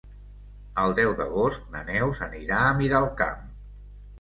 El deu d'agost na Neus anirà a Miralcamp.